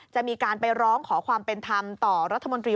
จะมีการไปร้องขอความเป็นธรรมต่อรัฐมนตรี